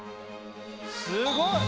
すごい！